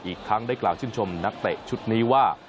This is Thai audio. อีกทั้งได้กล่าวชื่นชมนักเตะชุดนี้ว่า